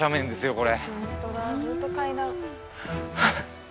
これ。